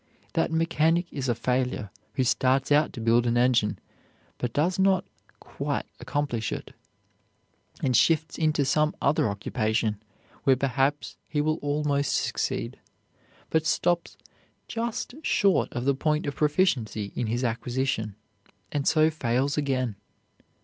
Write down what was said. That mechanic is a failure who starts out to build an engine, but does not quite accomplish it, and shifts into some other occupation where perhaps he will almost succeed, but stops just short of the point of proficiency in his acquisition and so fails again.